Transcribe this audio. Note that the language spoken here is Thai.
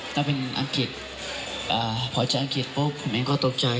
ต้องเป็นอังกฤษพอเจออังกฤษผมเองก็ตกใจ